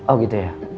oh gitu ya